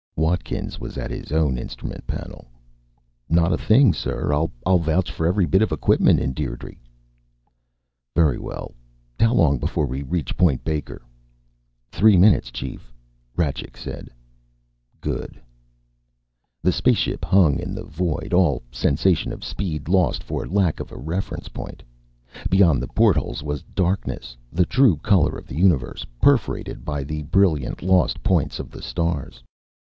Watkins was at his own instrument panel. "Not a thing, sir. I'll vouch for every bit of equipment in Dierdre." "Very well. How long before we reach Point Baker?" "Three minutes, Chief," Rajcik said. "Good." The spaceship hung in the void, all sensation of speed lost for lack of a reference point. Beyond the portholes was darkness, the true color of the Universe, perforated by the brilliant lost points of the stars.